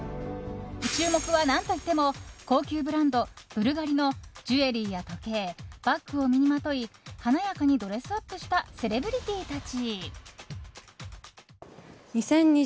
注目は何といっても高級ブランド・ブルガリのジュエリーや時計バッグを身にまとい華やかにドレスアップしたセレブリティーたち。